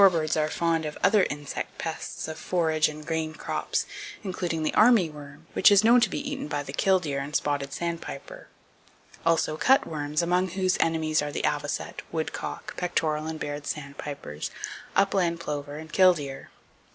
Shorebirds are fond of other insect pests of forage and grain crops, including the army worm, which is known to be eaten by the killdeer and spotted sandpiper; also cutworms, among whose enemies are the avocet, woodcock, pectoral and Baird sandpipers, upland plover, and killdeer.